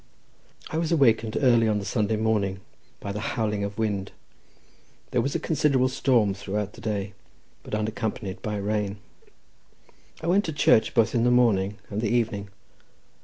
I was awakened early on the Sunday morning by the howling of wind. There was a considerable storm throughout the day, but unaccompanied by rain. I went to church both in the morning and the evening.